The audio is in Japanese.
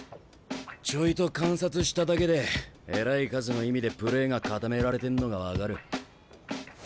ちょいと観察しただけでえらい数の意味でプレーが固められてんのが分かる。